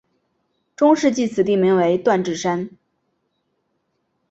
中世纪此地名为锻冶山。